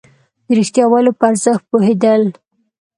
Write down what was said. د رښتيا ويلو په ارزښت پوهېدل.